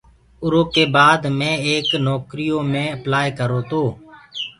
اُرو ڪي بآد مي ايڪ نوڪريٚ يو مي اپلآئي ڪررو تو۔